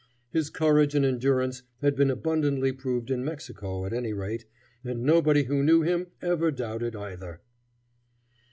His courage and endurance had been abundantly proved in Mexico, at any rate, and nobody who knew him ever doubted either.